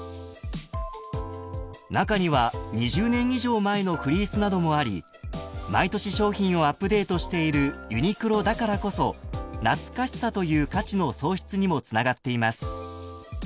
［中には２０年以上前のフリースなどもあり毎年商品をアップデートしているユニクロだからこそ懐かしさという価値の創出にもつながっています］